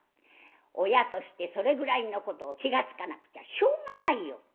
親としてそれぐらいのこと気が付かなくちゃしょうがないよ」。